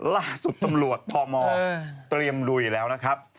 ล่าสุดตำรวจพมเตรียมลุยแล้วนะครับ